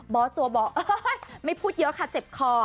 บอสโจว์บอกไม่พูดเยอะค่ะเจ็บคอ